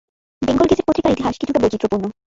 Bengal gazette পত্রিকাটির ইতিহাস কিছুটা বৈচিত্র্যপূর্ণ।